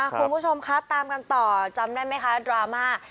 คุณผู้ชมคะตามกันต่อจำได้ไหมคะดราม่า